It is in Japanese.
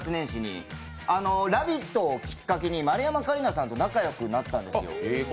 「ラヴィット！」をきっかけに丸山桂里奈さんと仲良くなったんですよ。